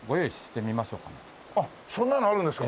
あっそんなのあるんですか？